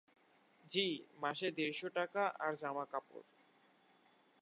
জ্বি, মাসে দেড়শ টাকা আর কাপড়চোপড়।